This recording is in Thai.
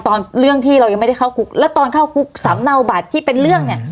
ตอนเรื่องที่เรายังไม่ได้เข้าคุกแล้วตอนเข้าคุกสำเนาบัตรที่เป็นเรื่องเนี่ย